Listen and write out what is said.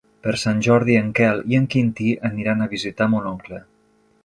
Per Sant Jordi en Quel i en Quintí aniran a visitar mon oncle.